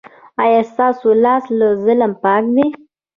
ایا ستاسو لاس له ظلم پاک دی؟